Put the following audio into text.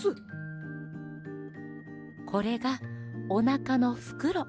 これがおなかのフクロ。